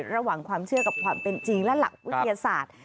ความเชื่อกับความเป็นจริงและหลักวิทยาศาสตร์